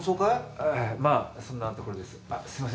ええまあそんなところです。